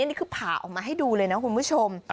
นี่คือผ่าออกมาให้ดูเลยนะคุณผู้ชม